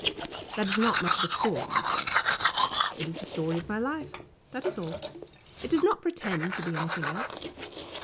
That is not much of a story, you say. It is the story of my life. That is all. It does not pretend to be anything else.